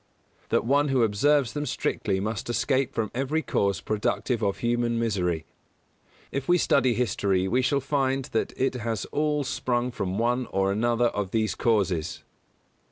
That one who observes them strictly must escape from every cause productive of human misery. If we study history we shall find that it has all sprung from one or another of these causes.